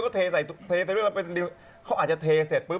คือก็เทใส่เขาอาจจะเทเสร็จปุ๊บ